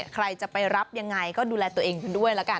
ใครจะไปรับยังไงก็ดูแลตัวเองกันด้วยละกัน